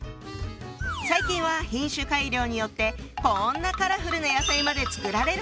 最近は品種改良によってこんなカラフルな野菜まで作られるほどに。